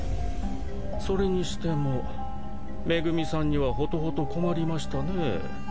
それにしても恵さんにはほとほと困りましたねぇ。